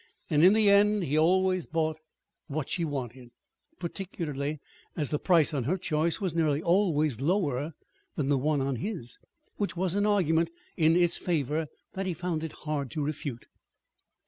And in the end he always bought what she wanted, particularly as the price on her choice was nearly always lower than the one on his which was an argument in its favor that he found it hard to refute.